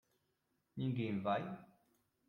Ninguém vai?